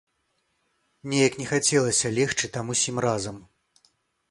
Неяк не хацелася легчы там усім разам.